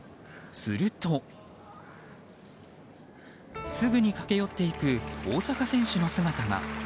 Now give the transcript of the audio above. すると、すぐに駆け寄っていく大坂選手の姿が。